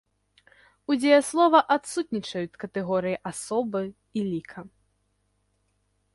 У дзеяслова адсутнічаюць катэгорыі асобы і ліка.